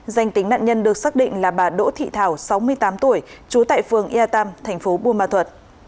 danh tính nạn nhân được xác định là bà đỗ thị thảo sáu mươi tám tuổi trú tại phường ea tam thành phố buôn ma thuật